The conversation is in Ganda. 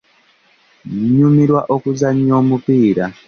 Nnyumirwa okuzannya omupiira.